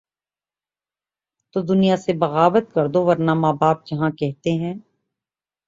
تو دنیا سے بغاوت کر دوورنہ ماں باپ جہاں کہتے ہیں۔